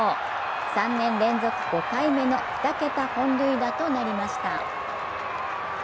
３年連続５回目の２桁本塁打となりました。